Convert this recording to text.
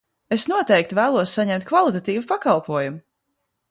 Es noteikti vēlos saņemt kvalitatīvu pakalpojumu!